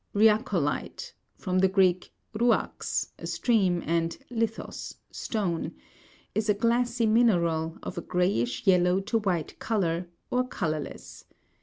Rya'colite (from the Greek, ruax, a stream, and lithos, stone), is a glassy mineral, of a greyish yellow to white colour, or colourless.